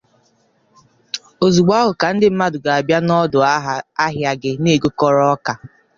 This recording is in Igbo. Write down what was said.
ozugbo ahụ ka ndị mmadụ ga-abịa n’ọdụ ahịa gị na-egokọrọ ọka.